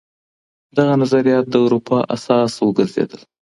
دغه نظريات د اروپا اساس وګرځېدل.